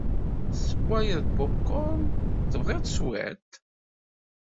Sewwayeɣ-d popcorn. Tebɣiḍ cwiṭ?